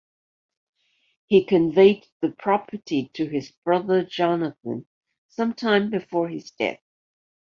He conveyed the property to his brother Jonathan some time before his death.